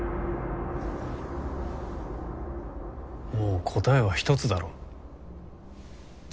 もう答えは一つだろ。